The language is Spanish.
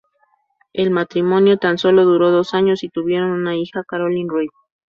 El matrimonio tan sólo duró dos años y tuvieron una hija, Caroline Reed.